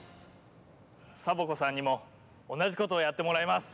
サボ子さんにもおなじことをやってもらいます！